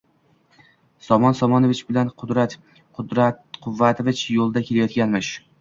Somon Somonovich bilan Qudrat Quvvatovich yo`lda kelayotganmish